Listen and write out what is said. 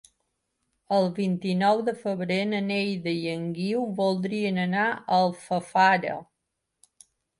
El vint-i-nou de febrer na Neida i en Guiu voldrien anar a Alfafara.